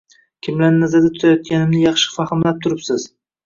Kimlarni nazarda tutayotganimni yaxshi fahmlab turibsiz